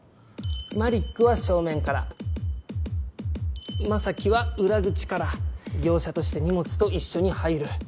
マリックは正面から将希は裏口から業者として荷物と一緒に入る